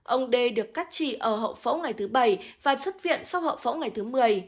ông đê được cắt trị ở hậu phẫu ngày thứ bảy và xuất viện sau hậu phẫu ngày thứ một mươi